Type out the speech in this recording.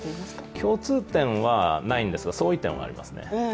共通点はないんですが、相違点はありますね。